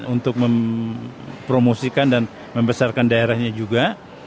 untuk mempromosikan dan membesarkan daerahnya juga